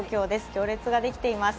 行列ができています。